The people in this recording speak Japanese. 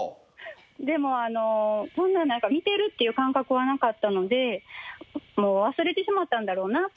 でもそんな見てるっ感覚はなかったのでもう忘れてしまったんだろうなと。